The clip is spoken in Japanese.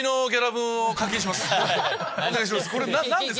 お願いします